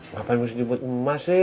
ngapain harus jemput emak sih